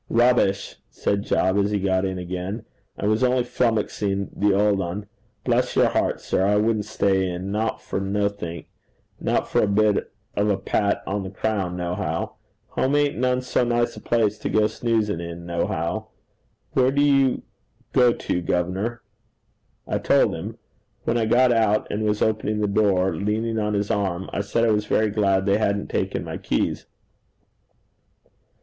'Rubbish!' said Job as he got in again; 'I was only flummuxing the old un. Bless your heart, sir, I wouldn't stay in not for nothink. Not for a bit of a pat on the crown, nohow. Home ain't none so nice a place to go snoozing in nohow. Where do you go to, gov'nor?' I told him. When I got out, and was opening the door, leaning on his arm, I said I was very glad they hadn't taken my keys.